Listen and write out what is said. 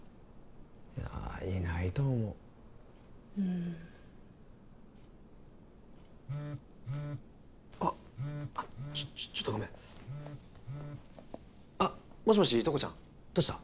いやいないと思ううんあっあっちょっちょっとごめんあっもしもし塔子ちゃんどうした？